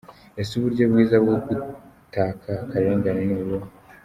Ese uburyo bwiza bwo gutaka akarengane ni ubuhe?